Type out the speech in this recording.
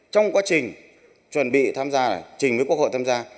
trong quá trình chuẩn bị tham gia trình với quốc hội tham gia